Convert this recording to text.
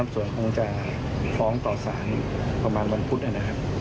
ส่วนคงจะฟ้องต่อสารประมาณวันพุธนะครับ